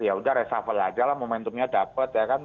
ya sudah resafel aja lah momentumnya dapat ya kan